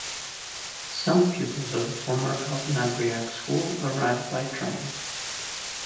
Some pupils of the former Altnabreac School arrived by train.